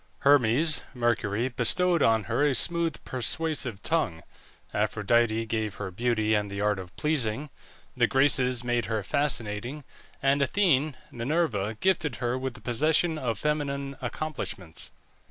Hermes (Mercury) bestowed on her a smooth persuasive tongue, Aphrodite gave her beauty and the art of pleasing; the Graces made her fascinating, and Athene (Minerva) gifted her with the possession of feminine accomplishments.